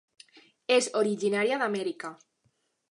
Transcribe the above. És originària d'Amèrica.